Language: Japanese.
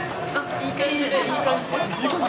いい感じですか？